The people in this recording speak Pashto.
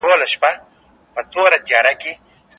ده د واک نښې ورو ورو کمې کړې.